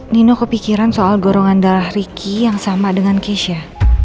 nino kepikiran soal gorongan darah ricky yang sama dengan keisha